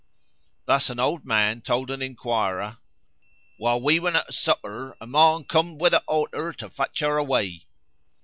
Thus an old man told an inquirer, "While we wun at supper, a mon cumm'd wi' a autar [halter] to fatch her away."